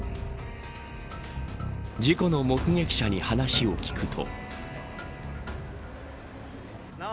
事故の目撃者に話を聞くと。